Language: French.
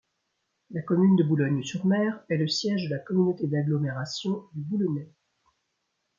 La commune de Boulogne-sur-Mer est le siège de la Communauté d'agglomération du Boulonnais.